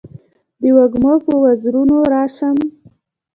د وږمو په وزرونو راشم